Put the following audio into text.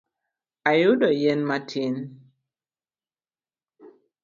Ayudo yien matin